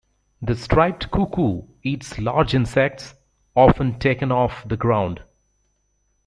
The striped cuckoo eats large insects, often taken off the ground.